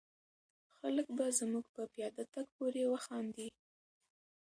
خلک به زموږ په پیاده تګ پورې وخاندي.